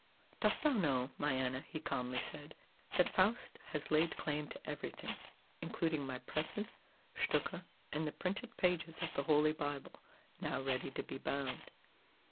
"Dost thou know, my Anna," he calmly said, "that Faust has laid claim to everything, including my presses, stucke, and the printed pages of the Holy Bible now ready to be bound?"